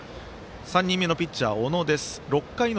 ３人目のピッチャー小野です。